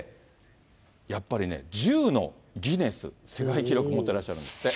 やっぱりね、１０のギネス、世界記録持ってらっしゃるんですって。